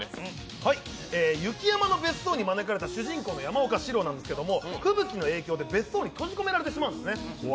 雪山の別荘に招かれた主人公の山岡士郎なんですけど吹雪の影響で別荘に閉じ込められてしまうんですね。